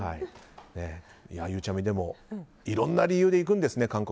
ゆうちゃみ、でもいろんな理由で行くんですね